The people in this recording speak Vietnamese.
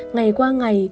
ngày qua ngày